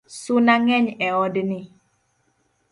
Suna ngeny e od ni